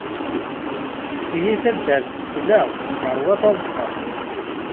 Ihi taddart tesla, teṛwa taḍsa.